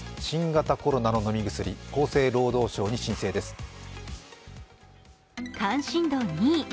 新型コロナの飲み薬、厚生労働省に申請です。